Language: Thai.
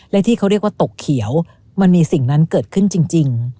และที่เขาเรียกว่าตกเขียวมันมีสิ่งนั้นเกิดขึ้นจริง